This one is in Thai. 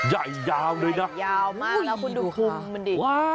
ใหญ่ยาวเลยนะโอ้โฮดูค่ะว้ายแล้วคุณดูกลุ่มมันดิ